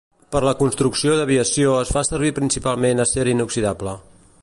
Per la construcció d'aviació es fa servir principalment acer inoxidable.